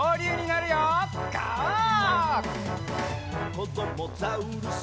「こどもザウルス